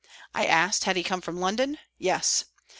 I asked, had he come from London ?" Yes."